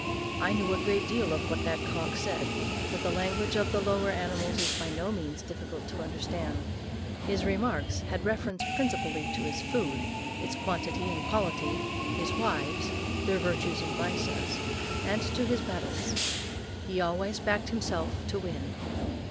I knew a great deal of what that cock said, for the language of the lower animals is by no means difficult to understand. His remarks had reference principally to his food, its quantity and quality, his wives their virtues and vices, and to his battles. He always backed himself to win.